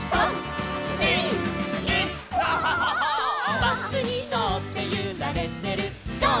「バスにのってゆられてるゴー！